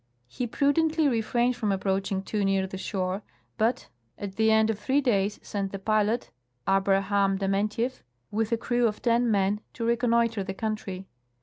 He pru dently refrained from approaching too near the shore, but at the end of three days sent the pilot, Abrahan'i Dementiew, with a crew of ten men, to reconnoiter the country.